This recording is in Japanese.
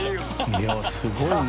いやすごいな。